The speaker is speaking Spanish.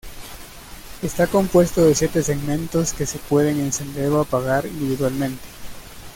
Está compuesto de siete segmentos que se pueden encender o apagar individualmente.